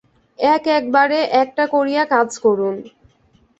এক-একবারে একটা করিয়া কাজ করুন।